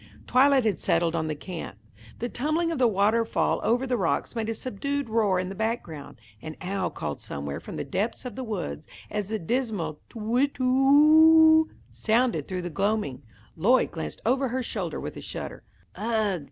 Twilight had settled on the camp. The tumbling of the waterfall over the rocks made a subdued roar in the background. An owl called somewhere from the depths of the woods. As the dismal "Tu whit, tu who oo" sounded through the gloaming, Lloyd glanced over her shoulder with a shudder. "Ugh!"